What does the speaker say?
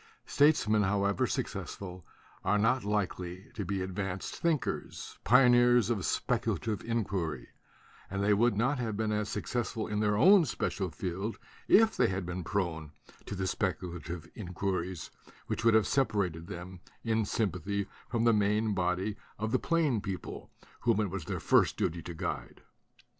Statesmen, however successful, are not likely to be advanced think ers, pioneers of speculative inquiry; and they would not have been as successful in their own special field if they had been prone to the specu lative inquiries which would have separated them in sympathy from the main body of the plain people whom it was their first duty to guide.